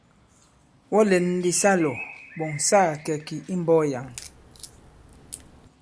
Wɔ lɛ̌n ndī sa lɔ ɓɔ̀ŋ sa kakɛ̌ kì i mbɔ̄k yǎŋ.